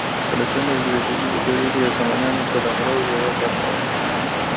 په لسمه زېږدیزې پیړۍ کې د سامانیانو قلمرو یوه برخه وه.